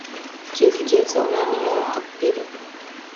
Kezi kelsa ularni yoritib bering.